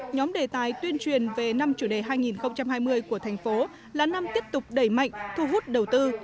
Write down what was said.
nhóm đề tài tuyên truyền về năm chủ đề hai nghìn hai mươi của thành phố là năm tiếp tục đẩy mạnh thu hút đầu tư